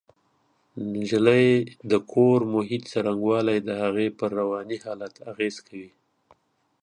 د نجلۍ د کور د محیط څرنګوالی د هغې پر رواني حالت اغېز کوي